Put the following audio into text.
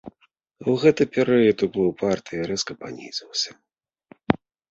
У гэты перыяд уплыў партыі рэзка панізіўся.